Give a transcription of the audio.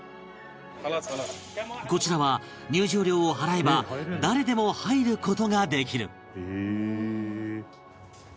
こちらは入場料を払えば誰でも入る事ができる